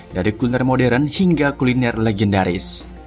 dari kuliner modern hingga kuliner legendaris